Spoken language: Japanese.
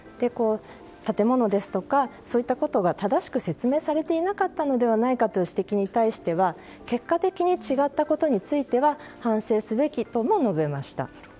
建物ですとか、そういったことが正しく説明されていなかったのではないかという指摘に対しては結果的に違ったことについては反省すべきとも述べました。